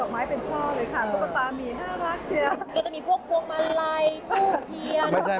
โหดอกไม้เป็นช่องเลยค่ะเพราะว่าตามีน่ารักเชียว